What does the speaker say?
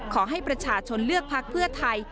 ขอให้ประชาชนเลือกพักเพื่อไทย